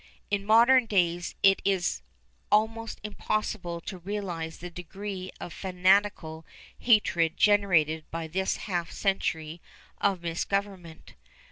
In modern days it is almost impossible to realize the degree of fanatical hatred generated by this half century of misgovernment.